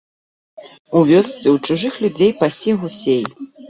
У вёсцы, у чужых людзей пасе гусей.